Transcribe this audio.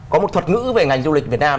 có một thuật ngữ về ngành du lịch việt nam